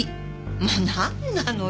もうなんなのよ。